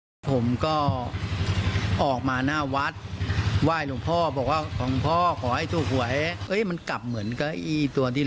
แต่ว่าโทรไม่ติดเขาบอกอย่างนี้แต่ว่าเขามี